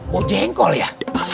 bau jengkol ya